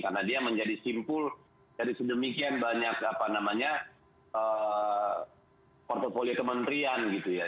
karena dia menjadi simpul dari sedemikian banyak apa namanya portofolio kementerian gitu ya